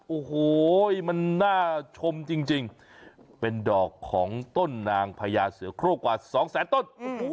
โอ้โหมันน่าชมจริงเป็นดอกของต้นนางพญาเสือโครกกว่าสองแสนต้น